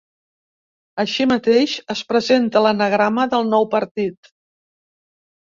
Així mateix, es presenta l'anagrama del nou partit.